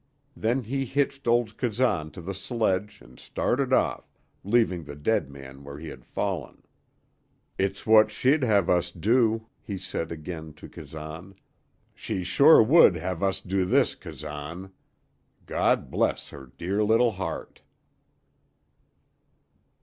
Then he hitched old Kazan to the sledge and started off, leaving the dead man where he had fallen. "It's what she'd have us do," he said again to Kazan. "She sure would have us do this, Kazan. God bless her dear little heart!"